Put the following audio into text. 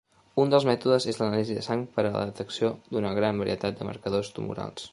Un dels mètodes és l'anàlisi de sang per a la detecció d'una gran varietat de marcadors tumorals.